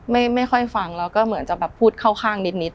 ไม่ค่อยฟังแล้วก็เหมือนจะแบบพูดเข้าข้างนิด